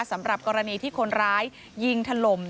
สำหรับกรณีที่คนร้ายยิงถล่ม